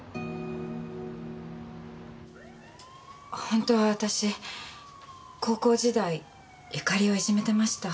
本当は私高校時代由佳里をいじめてました。